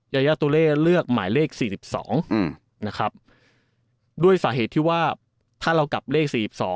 ยายาตุเล่เลือกหมายเลข๔๒นะครับด้วยสาเหตุที่ว่าถ้าเรากลับเลข๔๒